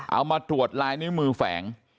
เอามาตรวจลายนิ้วมือแฝง